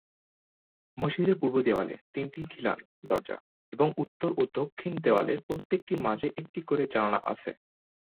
মসজিদের পূর্ব দেওয়ালে তিনটি খিলান দরজা এবং উত্তর ও দক্ষিণ দেওয়ালের প্রত্যেকটির মাঝে একটি করে জানালা আছে।